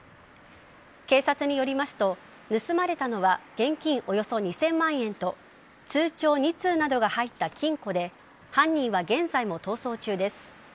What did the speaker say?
警察によりますと、盗まれたのは現金およそ２０００万円と通帳２通などが入った金庫で犯人は現在も逃走中です。